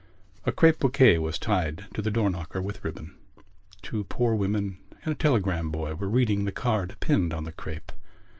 A crape bouquet was tied to the door knocker with ribbon. Two poor women and a telegram boy were reading the card pinned on the crape.